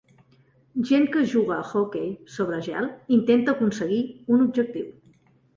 Gent que juga a hoquei sobre gel i intenta aconseguir un objectiu.